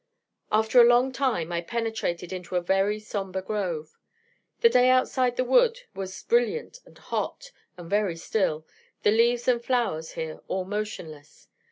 After a long time I penetrated into a very sombre grove. The day outside the wood was brilliant and hot, and very still, the leaves and flowers here all motionless.